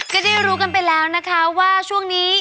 ก็ได้รู้กันไปแล้วนะคะว่าช่วงนี้